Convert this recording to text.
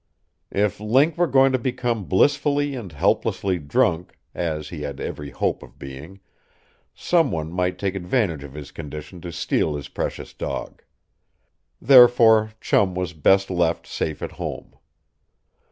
If Link were going to become blissfully and helplessly drunk, as he had every hope of being, someone might take advantage of his condition to steal his precious dog. Therefore Chum was best left safe at home.